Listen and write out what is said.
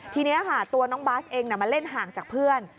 ทีนี้ค่ะตัวน้องบาสเองมาเล่นห่างจากเพื่อน